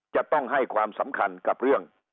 จะต้องให้ความสำคัญกับเรื่อง